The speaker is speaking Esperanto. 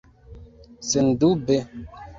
Sendube!